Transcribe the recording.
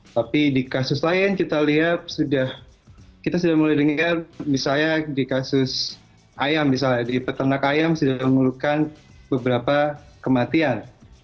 tapi di kasus lain kita lihat kita sudah mulai dengar misalnya di kasus ayam misalnya di peternak ayam sudah mengeluarkan beberapa kematian